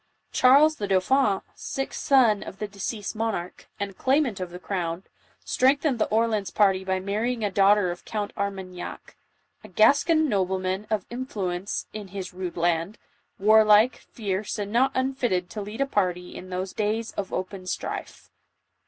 Charles the dauphin, sixth son of the deceased monarch, and claimant of the crown, strengthened the Orleans party by marrying a daughter of Count Armagnac, " a Gascon nobleman of influence in his rude land, warlike, fierce and not unfit ted to lead a party in those days of open strife."